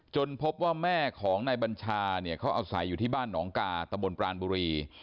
พบว่าแม่ของนายบัญชาเนี่ยเขาอาศัยอยู่ที่บ้านหนองกาตะบนปรานบุรี